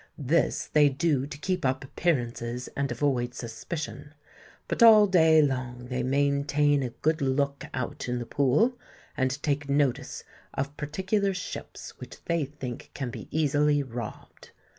This they do to keep up appearances and avoid suspicion. But all day long they maintain a good look out in the pool, and take notice of particular ships which they think can be easily robbed.